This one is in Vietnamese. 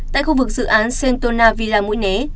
tại khu vực dự án sentona villa mũi né